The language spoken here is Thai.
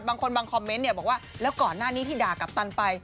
บางคนบางคอมเมนต์เนี่ยบอกว่าแล้วก่อนหน้านี้ที่ด่ากัปตันไป